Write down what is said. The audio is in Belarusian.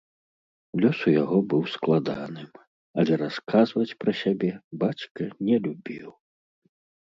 Лёс у яго быў складаным, але расказваць пра сябе бацька не любіў.